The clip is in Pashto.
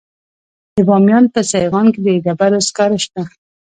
د بامیان په سیغان کې د ډبرو سکاره شته.